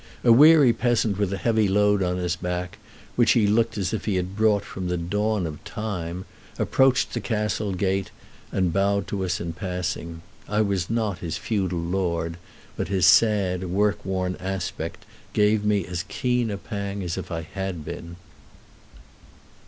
A weary peasant with a heavy load on his back, which he looked as if he had brought from the dawn of time, approached the castle gate, and bowed to us in passing. I was not his feudal lord, but his sad, work worn aspect gave me as keen a pang as if I had been.